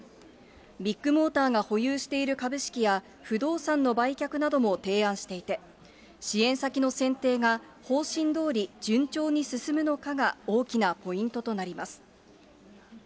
ビッグモーターが保有している株式や、不動産の売却なども提案していて、支援先の選定が方針どおり順調に進むのかが大きなポイントとなります。